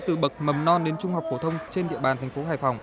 từ bậc mầm non đến trung học phổ thông trên địa bàn tp hải phòng